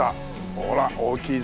ほら大きいぞ。